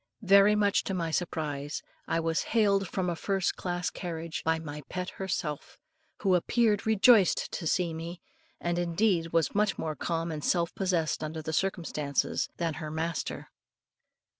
Very much to my surprise, I was hailed from a first class carriage by my pet herself, who appeared rejoiced to see me, and indeed was much more calm and self possessed, under the circumstances, than her master.